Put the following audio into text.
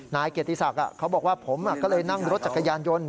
นายเกียรติศักดิ์เขาบอกว่าผมก็เลยนั่งรถจักรยานยนต์